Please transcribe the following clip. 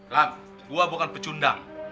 lam gue bukan pecundang